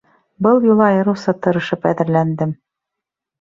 Был юлы айырыуса тырышып әҙерләндем.